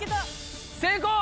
成功！